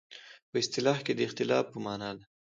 په اصطلاح کې د اختلاف په معنی ده.